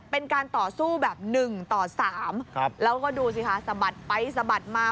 เป็นการต่อสู้แบบ๑ต่อ๓แล้วก็ดูสิคะสะบัดไปสะบัดมา